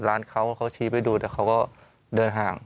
ร้านเขาเขาชี้ไปดูแต่เขาก็เดินห่าง